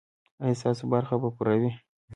ایا ستاسو برخه به پوره وي؟